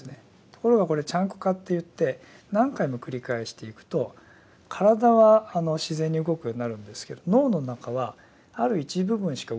ところがこれチャンク化っていって何回も繰り返していくと体は自然に動くようになるんですけど脳の中はある一部分しか動かなくなるっていう。